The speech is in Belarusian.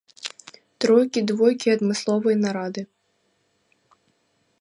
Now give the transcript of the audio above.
Тройкі, двойкі, адмысловыя нарады.